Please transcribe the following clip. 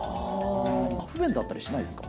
不便だったりしないですか？